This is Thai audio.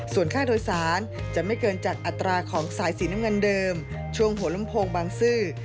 ส่วนค่าโดยสารจะไม่เกินจากอัตราของสายสีน้ำเงินเดิมช่วงหัวลำโพงบางซื่อ